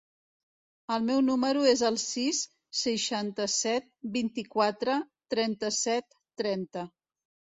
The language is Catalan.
El meu número es el sis, seixanta-set, vint-i-quatre, trenta-set, trenta.